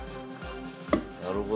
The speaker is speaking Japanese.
なるほど。